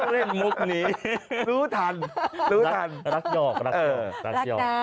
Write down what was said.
รู้ทันรู้ทันรักหยอบรักหยอบรักน้ำ